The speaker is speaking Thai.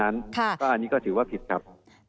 อันนี้ก็ถือว่าผิดครับ